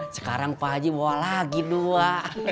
sekarang pak haji bawa lagi dua